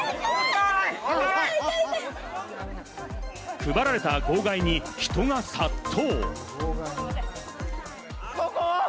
配られた号外に人が殺到！